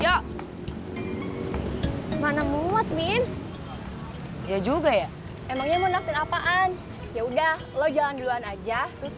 yo yo mana muat min ya juga ya emangnya mau nakti apaan ya udah lo jangan duluan aja terus